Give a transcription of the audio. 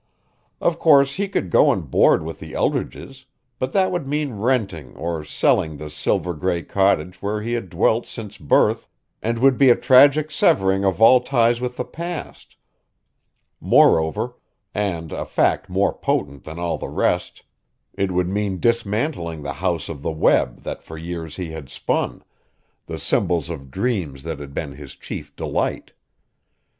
Of course he could go and board with the Eldridges but that would mean renting or selling the silver gray cottage where he had dwelt since birth and would be a tragic severing of all ties with the past; moreover, and a fact more potent than all the rest, it would mean dismantling the house of the web that for years he had spun, the symbols of dreams that had been his chief delight.